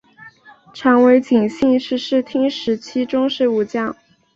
长尾景信是室町时代中期武将。